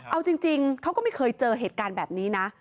เอาจริงเขาก็ไม่เคยเจอเหตุการณ์แบบนี้นะ